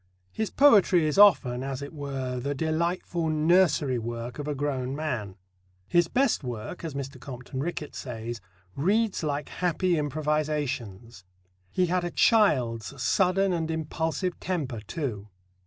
His poetry is often, as it were, the delightful nursery work of a grown man. "His best work," as Mr. Compton Rickett says, "reads like happy improvisations." He had a child's sudden and impulsive temper, too.